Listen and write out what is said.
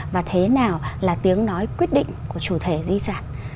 và thế nào là tiếng nói quyết định của chủ thể di sản